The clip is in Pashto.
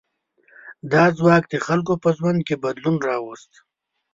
دا ځواک د خلکو په ژوند کې بدلون راوست.